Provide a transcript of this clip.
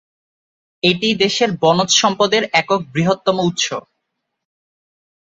এটি দেশের বনজ সম্পদের একক বৃহত্তম উৎস।